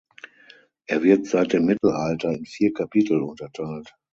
Er wird seit dem Mittelalter in vier Kapitel unterteilt.